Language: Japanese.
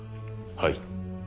はい。